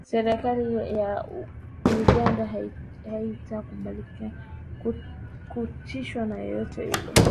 serikali ya uganda haitakubali kutishwa na yeyote yule